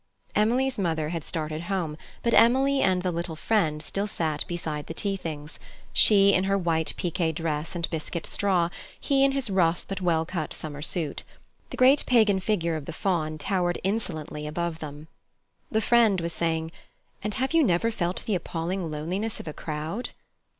Emily's mother had started home, but Emily and the little friend still sat beside the tea things she in her white piqué dress and biscuit straw, he in his rough but well cut summer suit. The great pagan figure of the Faun towered insolently above them. The friend was saying, "And have you never felt the appalling loneliness of a crowd?"